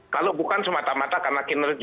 kalau bukan semata mata karena kinerja